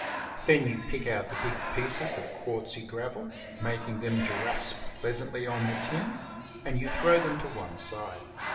Then you pick out the big pieces of quartzy gravel, mak ing them to rasp pleasantly on the tin, and you throw them to one side.